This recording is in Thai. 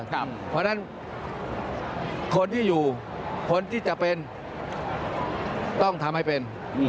เพราะฉะนั้นคนที่อยู่คนที่จะเป็นต้องทำให้เป็น